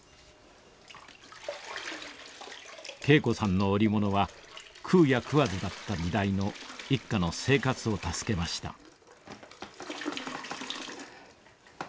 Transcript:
桂子さんの織物は食うや食わずだった時代の一家の生活を助けました。